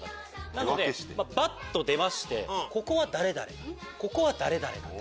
なのでばっと出ましてここは誰々ここは誰々と。